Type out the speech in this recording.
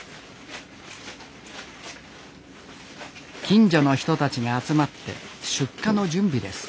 近所の人たちが集まって出荷の準備です。